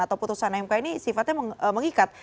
keputusan mk ini sifatnya mengikat